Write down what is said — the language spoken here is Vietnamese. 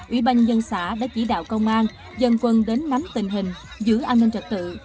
ủy ban nhân xã đã chỉ đạo công an dân quân đến nắm tình hình giữ an ninh trật tự